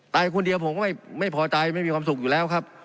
คนเดียวผมก็ไม่พอใจไม่มีความสุขอยู่แล้วครับ